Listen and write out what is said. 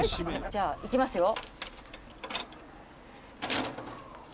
「じゃあいきますよ」